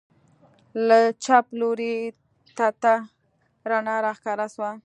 له چپ لوري تته رڼا راښکاره سوه.